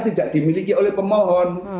tidak dimiliki oleh pemohon